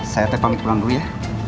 saya tepamit pulang dulu ya